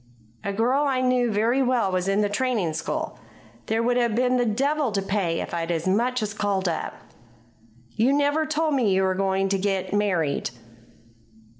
"A girl I know very well was in the training school. There would have been the devil to pay if I'd as much as called up." "You never told me you were going to get married."